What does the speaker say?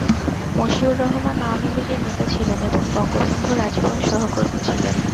মসিউর রহমান আওয়ামী লীগের নেতা ছিলেন এবং বঙ্গবন্ধুর আজীবন সহকর্মী ছিলেন।